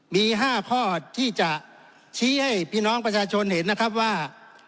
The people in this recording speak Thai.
มี๕ข้อที่จะชี้ให้พี่น้องประชาชนเห็นนะครับว่า